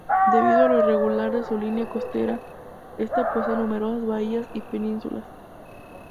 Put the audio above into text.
Debido a lo irregular de su línea costera, esta posee numerosas bahías y penínsulas.